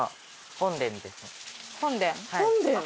本殿。